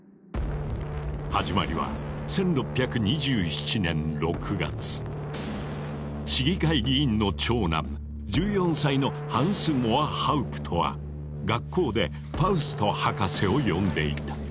始まりは市議会議員の長男１４歳のハンス・モアハウプトは学校で「ファウスト博士」を読んでいた。